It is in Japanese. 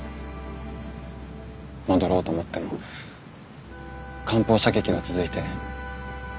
戻ろうと思っても艦砲射撃は続いて。